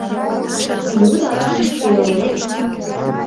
Людалан пӧлек.